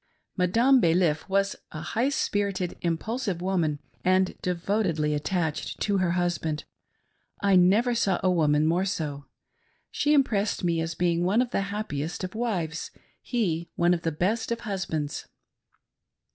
Madame Balif was a high spirited, impulsive woman, and devotedly attached to her husband ; I never saw a woman more so. She impressed me as being one of the happiest of wives ; he one of the best of husbands.